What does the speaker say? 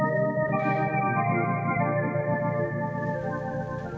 dia menganggap dirinya seperti si orang yang berada di rumah